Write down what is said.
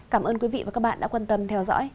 cảm ơn quý vị và các bạn đã quan tâm theo dõi